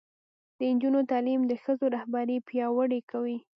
د نجونو تعلیم د ښځو رهبري پیاوړې کوي.